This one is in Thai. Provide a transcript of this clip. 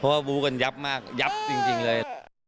เพราะว่าบู้กันยับมากยับจริงเลย